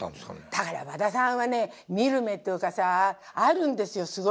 だから和田さんはね見る目っていうかさあるんですよ。